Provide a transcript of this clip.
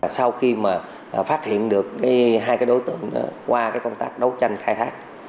sau khi mà phát hiện được hai cái đối tượng qua công tác đấu tranh khai thác